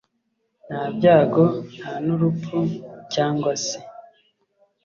nta byago, nta n'urupfu cyangwa se